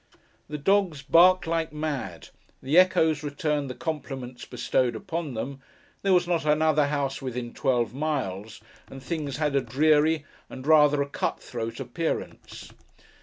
The dogs barked like mad; the echoes returned the compliments bestowed upon them; there was not another house within twelve miles; and things had a dreary, and rather a cut throat, appearance.